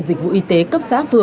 dịch vụ y tế cấp sở y tế